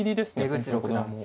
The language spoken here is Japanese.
出口六段も。